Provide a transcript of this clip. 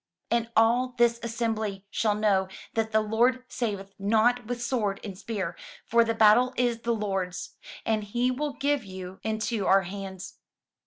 And all this assembly shall know that the Lord saveth not with sword and spear: for the battle is the Lord's, and he will give you into our hands."